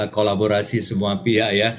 kolaborasi semua pihak ya